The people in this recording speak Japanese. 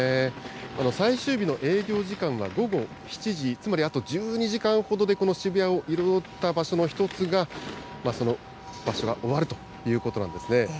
最終日の営業時間は午後７時、つまり、あと１２時間ほどで、この渋谷を彩った場所の一つが、その場所が終わるということなんですね。